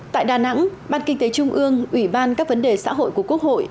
tại đà nẵng ban kinh tế trung ương ủy ban các vấn đề xã hội của quốc hội